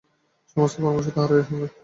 সমস্ত পরামর্শ তাহারই সঙ্গে।